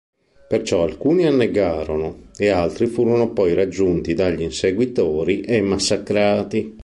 Perciò alcuni annegarono, e altri furono poi raggiunti dagli inseguitori, e massacrati.